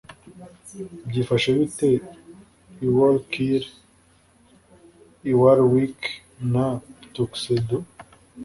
byifashe bite i wallkill i warwick n i tuxedo